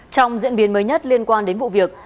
trong diễn biến mới nhất liên quan đến vụ việc